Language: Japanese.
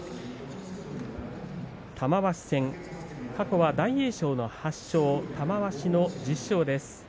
玉鷲戦、過去は大栄翔の８勝玉鷲の１０勝です。